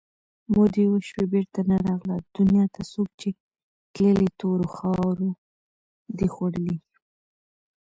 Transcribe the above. مودې وشوې بېرته نه راغله دنیا ته څوک چې تللي تورو مخاورو دي خوړلي